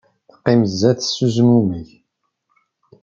Teqqim sdat-s s uzmumeg